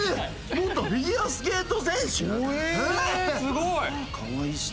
「元フィギュアスケート」。